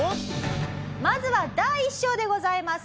まずは第一章でございます。